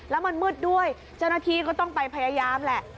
แล้วมันมืดด้วยเจ้าหน้าที่ก็ต้องไปพยายามแหละ